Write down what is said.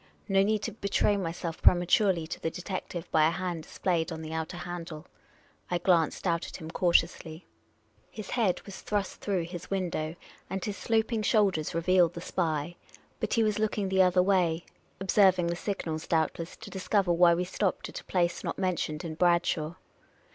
No need to betray myself prematurely to the detective by a hand displayed on the outer handle. I glanced out at him cautiously. His head was thrust through 3o8 Miss Cayley's Adventures his window, and his sloping shoulders revealed the sp} , but he was looking the other way — observing the signals, douljt less, to discover why we stopped at a place not mentioned in Bradshaw.